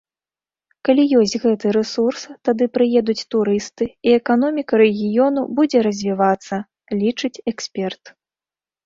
Калі ёсць гэты рэсурс, тады прыедуць турысты, і эканоміка рэгіёну будзе развівацца, лічыць эксперт.